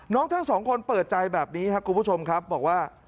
ทั้งสองคนเปิดใจแบบนี้ครับคุณผู้ชมครับบอกว่า